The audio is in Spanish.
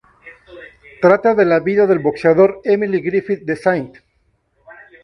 Trata de la vida del boxeador Emile Griffith de St.